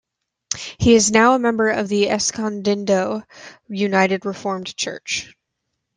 He is now a member of the Escondido United Reformed Church.